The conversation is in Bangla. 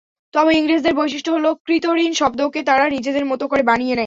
তবে ইংরেজদের বৈশিষ্ট্য হলো কৃতঋণ শব্দকে তারা নিজেদের মতো করে বানিয়ে নেয়।